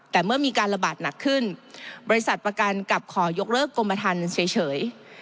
แต่เมื่อมีการระบาดหนักขึ้นบริษัทประกันกลับขอยกเลิกกรมทันเฉย